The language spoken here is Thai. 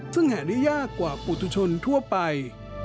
ซึ่งหาได้ยากกว่าปุฏุชนทั่วไป